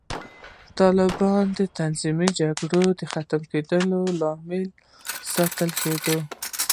طالبان د تنظیمي جګړو د ختموونکو له امله ستایل کېدل